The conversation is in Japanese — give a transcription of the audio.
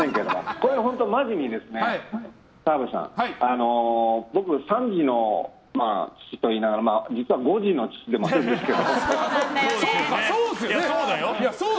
これは本当に、マジにね僕、３児の父と言いながら実は５児の父でもあるんですけど。